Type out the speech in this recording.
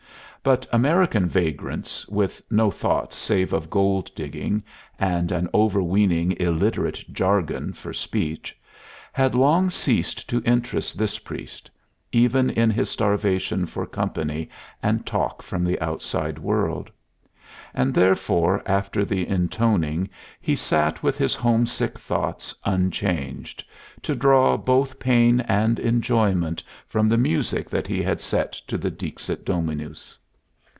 But American vagrants, with no thoughts save of gold digging, and an overweening illiterate jargon for speech, had long ceased to interest this priest, even in his starvation for company and talk from the outside world; and therefore after the intoning he sat with his homesick thoughts unchanged, to draw both pain and enjoyment from the music that he had set to the Dixit Dominus.